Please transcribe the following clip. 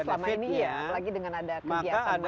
dan memang selama ini ya apalagi dengan ada kegiatan lainnya